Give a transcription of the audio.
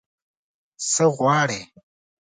_څه غواړې؟